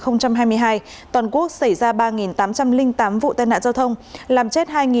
năm hai nghìn hai mươi hai toàn quốc xảy ra ba tám trăm linh tám vụ tai nạn giao thông